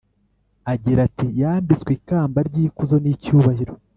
agira ati ‘yambitswe ikamba ry’ikuzo n’icyubahiro